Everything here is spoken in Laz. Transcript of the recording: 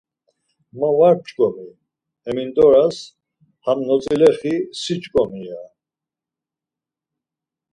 Ma var p̌ç̌ǩomi, hemindoras ham notzilexi si ç̌ǩomi ya.